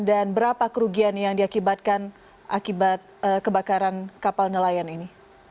dan berapa kerugian yang diakibatkan akibat kebakaran kapal nelayan ini